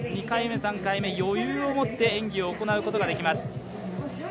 ２回目、３回目、余裕を持って演技を行うことができます。